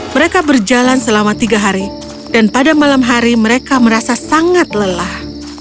mereka berjalan selama tiga hari dan pada malam hari mereka merasa sangat lelah